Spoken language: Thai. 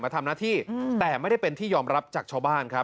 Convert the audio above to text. ทำหน้าที่แต่ไม่ได้เป็นที่ยอมรับจากชาวบ้านครับ